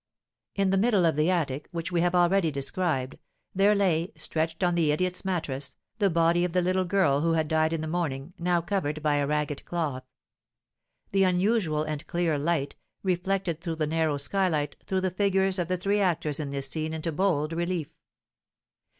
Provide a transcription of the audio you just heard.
In the middle of the attic which we have already described, there lay, stretched on the idiot's mattress, the body of the little girl who had died in the morning, now covered by a ragged cloth. The unusual and clear light, reflected through the narrow skylight, threw the figures of the three actors in this scene into bold relief.